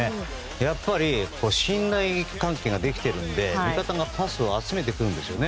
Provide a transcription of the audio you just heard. やっぱり信頼関係ができているので味方がパスを集めてくるんですよね。